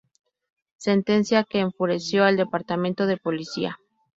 Sentencia que enfureció al Departamento de Policía.